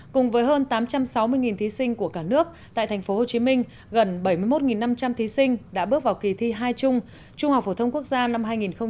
cùng với hơn tám trăm sáu mươi thí sinh của cả nước tại tp hcm gần bảy mươi một năm trăm linh thí sinh đã bước vào kỳ thi hai trung trung học phổ thông quốc gia năm hai nghìn một mươi tám